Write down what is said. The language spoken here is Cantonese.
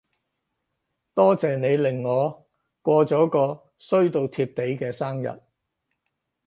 多謝你令我過咗個衰到貼地嘅生日